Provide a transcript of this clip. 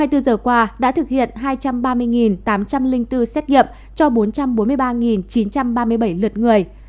hai mươi bốn giờ qua đã thực hiện hai trăm ba mươi tám trăm linh bốn xét nghiệm cho bốn trăm bốn mươi ba chín trăm ba mươi bảy lượt người